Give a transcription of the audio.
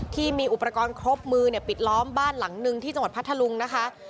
ที่มีอุปกรณ์ครบมือปิดล้อมบ้านหลังนึงที่จังหวัดพัทธลุงนะคะ